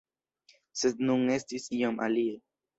Sed nun estis iom alie.